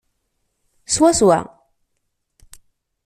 Swaswa.